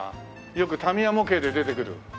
よく田宮模型で出てくる。